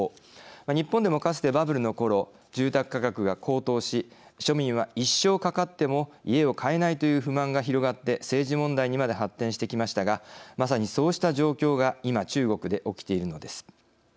日本でもかつてバブルのころ住宅価格が高騰し庶民は一生かかっても家を買えないという不満が広がって政治問題にまで発展してきましたがまさにそうした状況が今中国で起きているのです。